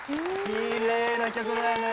きれいな曲だよね。